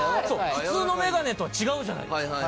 そう普通のメガネとは違うじゃないですか。